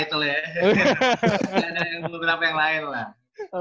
tidak ada yang mengunggah apa yang lain lah